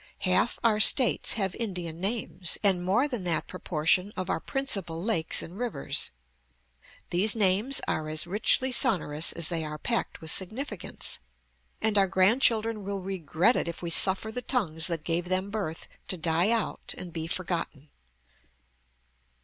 Half our states have Indian names, and more than that proportion of our principal lakes and rivers. These names are as richly sonorous as they are packed with significance, and our grandchildren will regret it if we suffer the tongues that gave them birth to die out and be forgotten.